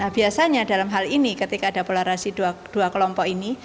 biasanya dalam hal ini ketika ada polarasi dua kelompok ini